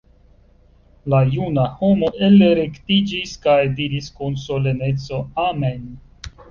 La juna homo elrektiĝis kaj diris kun soleneco: -- Amen!